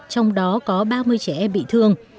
trong đó có ba mươi trẻ em bị thương